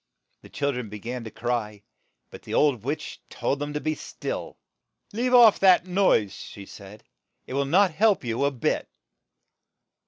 The chil dren be gan to cry, but the old witch told them to be still. '' Leave off that noise, she said, "it will not help you a bit."